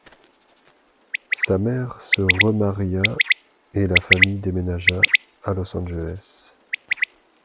Sa mère se remaria et la famille déménagea à Los Angeles.